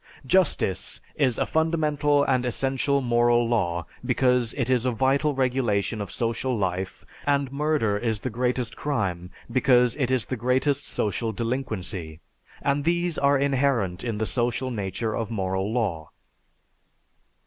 Justice is a fundamental and essential moral law because it is a vital regulation of social life and murder is the greatest crime because it is the greatest social delinquency; and these are inherent in the social nature of moral law.